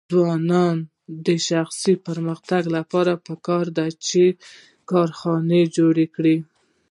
د ځوانانو د شخصي پرمختګ لپاره پکار ده چې کارخانې جوړې کړي.